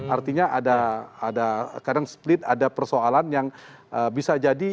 artinya ada kadang split ada persoalan yang bisa jadi